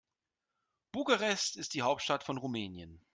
Bukarest ist die Hauptstadt von Rumänien.